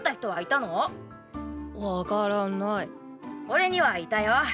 俺にはいたよ。